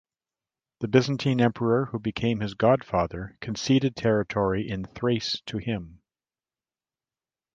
The Byzantine Emperor who became his godfather conceded territory in Thrace to him.